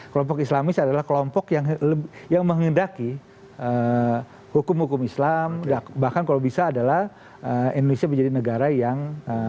kelompok islamis adalah kelompok yang menghendaki hukum hukum islam bahkan kalau bisa adalah indonesia menjadi negara yang